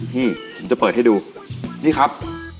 นี่ผมจะเปิดให้ดูนี่ครับ